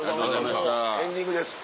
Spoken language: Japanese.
もうエンディングです。